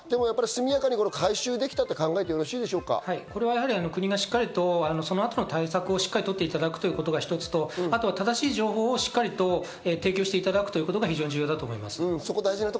速やかに回収できたと考えてはい、これは国がその後の対策をしっかり取っていただくということが一つと、あとは正しい情報をしっかりと提供していただくということが非常に重要だと思います。